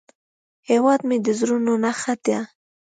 هیواد مې د زړونو نخښه ده